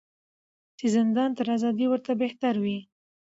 چي زندان تر آزادۍ ورته بهتر وي